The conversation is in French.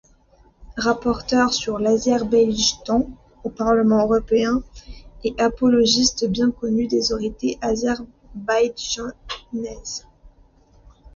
Rapporteur sur l'Azerbaïdjan au Parlement européen et apologiste bien connue des autorités azerbaïdjanaises.